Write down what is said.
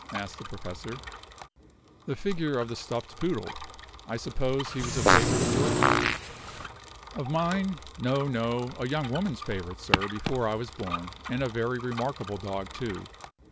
asked the Professor. "The figure of the stuffed poodle. I suppose he was a favorite of yours?" "Of mine? No, no; a young woman's favorite, sir, before I was born; and a very remarkable dog, too.